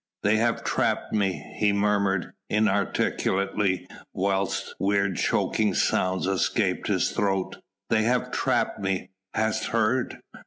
"They have trapped me," he murmured inarticulately whilst weird choking sounds escaped his throat. "They have trapped me, hast heard?"